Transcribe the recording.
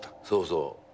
そうそう。